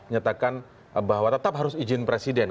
nyatakan bahwa tetap harus izin presiden